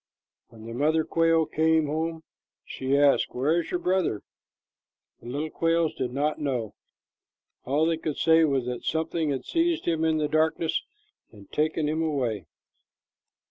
When the mother quail came home, she asked, "Where is your brother?" The little quails did not know. All they could say was that something had seized him in the darkness and taken him away.